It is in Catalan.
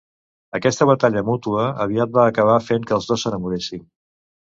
Aquesta batalla mútua aviat va acabar fent que els dos s"enamoressin.